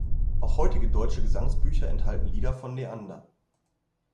Auch heutige deutsche Gesangbücher enthalten Lieder von Neander.